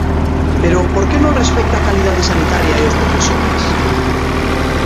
Pero ¿por que non respecta a calidade sanitaria e os profesionais?